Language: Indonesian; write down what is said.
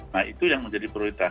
nah itu yang menjadi prioritas